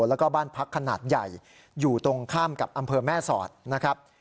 แล้วก็บ้านพักขนาดใหญ่อยู่ตรงข้ามกับอำเภอแม่สอดนะครับ